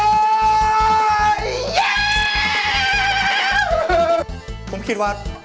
สามารถรับชมได้ทุกวัย